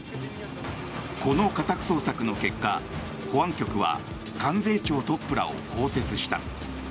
この家宅捜索の結果、保安局は関税庁トップらを更迭した。